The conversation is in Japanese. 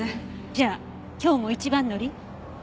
じゃあ今日も一番乗り？